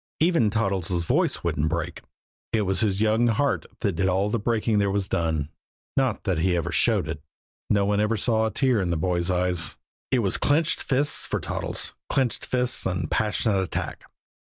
Even Toddles' voice wouldn't break it was his young heart that did all the breaking there was done. Not that he ever showed it. No one ever saw a tear in the boy's eyes. It was clenched fists for Toddles, clenched fists and passionate attack.